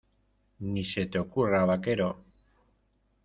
¡ Ni se te ocurra, vaquero!